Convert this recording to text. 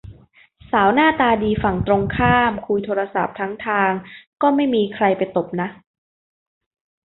สาวหน้าตาดีฝั่งตรงข้ามคุยโทรศัพท์ทั้งทางก็ไม่มีใครไปตบนะ